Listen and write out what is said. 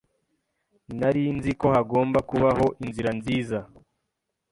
Nari nzi ko hagomba kubaho inzira nziza.